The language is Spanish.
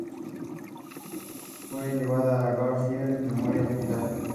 Fue llevada al Garfield Memorial Hospital.